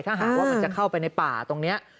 ถ้าหากว่ามันจะเข้าไปในป่าตรงนี้